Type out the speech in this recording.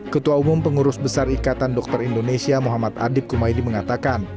ketua umum pengurus besar ikatan dokter indonesia muhammad adib kumaydi mengatakan